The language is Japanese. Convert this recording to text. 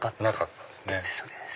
なかったですね。